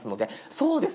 そうです！